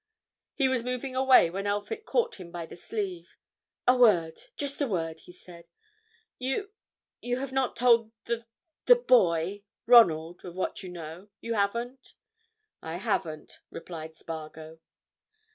He was moving away when Elphick caught him by the sleeve. "A word—just a word!" he said. "You—you have not told the—the boy—Ronald—of what you know? You haven't?" "I haven't," replied Spargo.